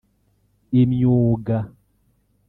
imyuga